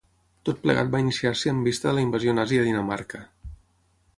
Tot plegat va iniciar-se en vista de la invasió nazi a Dinamarca.